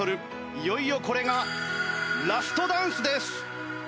いよいよこれがラストダンスです。